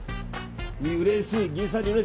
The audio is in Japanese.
うれしい。